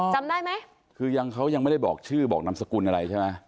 จำได้ไหมคือยังเขายังไม่ได้บอกชื่อบอกนามสกุลอะไรใช่ไหม